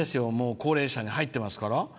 高齢者に入っていますから。